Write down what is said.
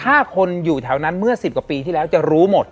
ถ้าคนอยู่แถวนั้นเมื่อ๑๐กว่าปีที่แล้วจะรู้หมด